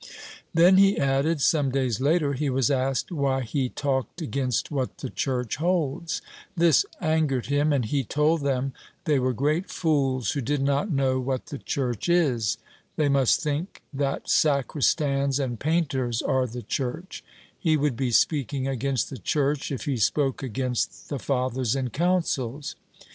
Then, he added, some days later he was asked why he talked against what the Church holds; this angered him and he told them they were great fools who did not know what the Church is ; they must think that sacristans and painters are the Church ; he would be speaking against the Church if he spoke against the Fathers and Councils.